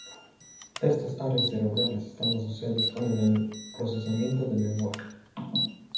Estas áreas cerebrales están asociadas con el procesamiento del lenguaje.